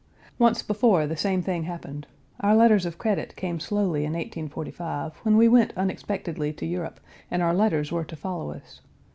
Once before the same thing happened. Our letters of credit came slowly in 1845, when we went unexpectedly to Europe and our letters were to follow us.